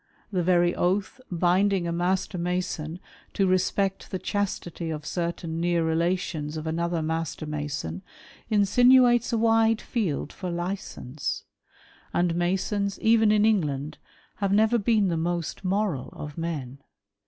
The very oath binding a Master Mason to respect the chastity of certain near relations of another Master Mason, insinuates a wide field for licence ; and Masons, even in England, have never been the most moral of men.